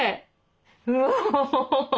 うわ。